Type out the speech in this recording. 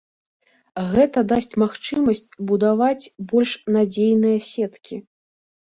Гэта дасць магчымасць будаваць больш надзейныя сеткі.